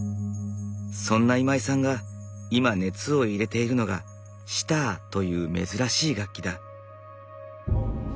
そんな今井さんが今熱を入れているのがシターという珍しい楽器だ。